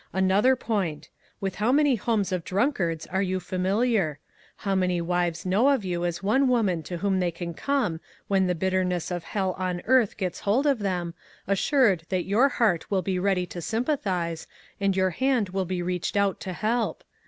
" Another point. With how many homes of drunkards are you familiar? How many wives know of you as one woman to whom IO8 ONE COMMONPLACE DAY. they can come when the bitterness of hell on earth gets hold of them, assured that your heart will be ready to sympathize, and your hand will be reached out to help?